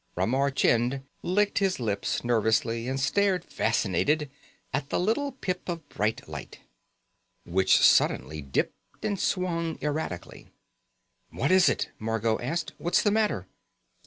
Ramar Chind licked his lips nervously and stared fascinated at the little pip of bright light. Which suddenly dipped and swung erratically. "What is it?" Margot asked. "What's the matter?"